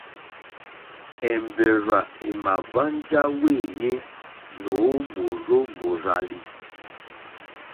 Èmbèrzà èmà hwánjá wéèyé nǒ mòrzó mòrzàlì.